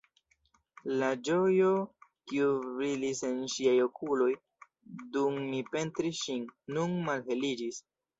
La ĝojo, kiu brilis en ŝiaj okuloj, dum mi pentris ŝin, nun malheliĝis.